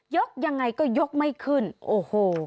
ยกอย่างไรก็ยกไม่ขึ้นโอ้โห